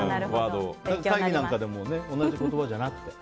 会議とかでも同じ言葉じゃなくて。